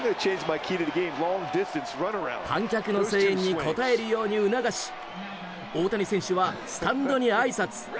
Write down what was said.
観客の声援に応えるように促し大谷選手はスタンドにあいさつ。